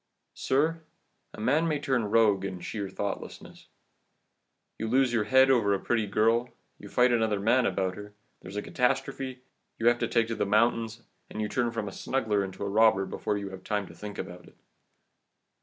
"Sir, a man may turn rogue in sheer thoughtlessness. You lose your head over a pretty girl, you fight another man about her, there is a catastrophe, you have to take to the mountains, and you turn from a smuggler into a robber before you have time to think about it.